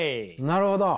なるほど。